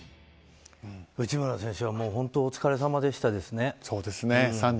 内村選手は本当にお疲れさまでしたですね。